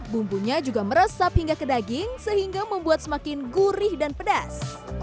bumbunya juga meresap hingga ke daging sehingga membuat semakin gurih dan pedas